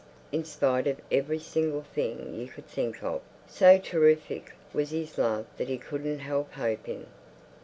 In spite of every single thing you could think of, so terrific was his love that he couldn't help hoping.